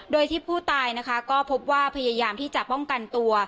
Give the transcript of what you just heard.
โดยที่ผู้ตายนะคะก็พบว่าพยายามที่จะป้องกันตัว